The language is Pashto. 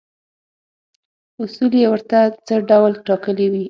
اصول یې ورته څه ډول ټاکلي وي.